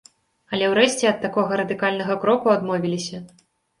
Але ўрэшце ад такога радыкальнага кроку адмовіліся.